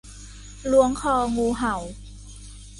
ล้วงคองูเห่า